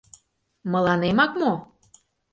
— Мыланемак мо?